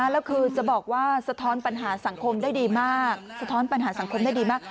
แล้วคือจะบอกว่าสะท้อนปัญหาสังคมได้ดีมากสะท้อนปัญหาสังคมได้ดีมาก